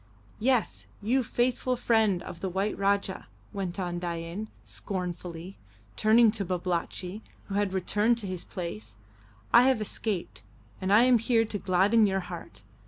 "Yes, you faithful friend of the white Rajah," went on Dain, scornfully, turning to Babalatchi, who had returned to his place, "I have escaped, and I am here to gladden your heart.